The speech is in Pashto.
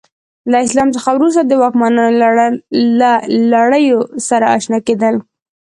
له اسلام څخه وروسته د واکمنانو له لړیو سره اشنا کېدل.